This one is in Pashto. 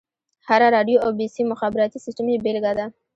هره راډيو او بيسيم مخابراتي سيسټم يې بېلګه ده.